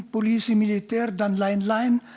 polisi militer dan lain lain